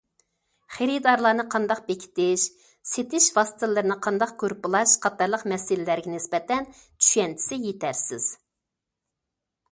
خېرىدارلارنى قانداق بېكىتىش، سېتىش ۋاسىتىلىرىنى قانداق گۇرۇپپىلاش قاتارلىق مەسىلىلەرگە نىسبەتەن چۈشەنچىسى يېتەرسىز.